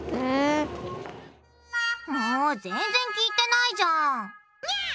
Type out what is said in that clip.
もう全然聞いてないじゃん！